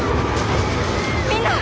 みんな！